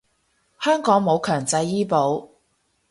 香港冇強制醫保